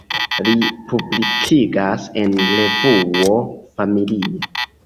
Li publikigas en revuo "Familia".